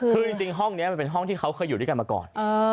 คือจริงห้องนี้มันเป็นห้องที่เขาเคยอยู่ด้วยกันมาก่อน